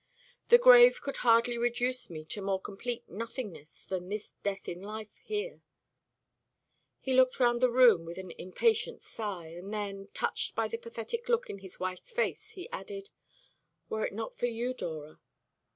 The grave could hardly reduce me to more complete nothingness than this death in life here." He looked round the room with an impatient sigh. And then, touched by the pathetic look in his wife's face, he added, "Were it not for you, Dora.